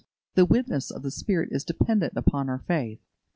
The witness of the Spirit is dependent upon our faith.